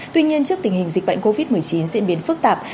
tuy nhiên trước tình hình dịch bệnh covid một mươi chín diễn biến phức tạp